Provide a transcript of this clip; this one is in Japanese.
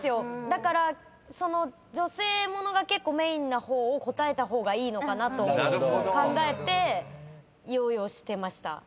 だから女性ものが結構メインな方を答えた方がいいのかなと考えて用意をしてました。